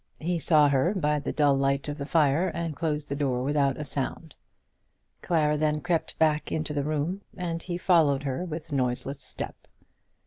He saw her by the dull light of the fire, and closed the door without a sound. Clara then crept into the back room, and he followed her with noiseless step.